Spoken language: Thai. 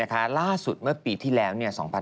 ล่าสุดเมื่อปีที่แล้ว๒๕๖๒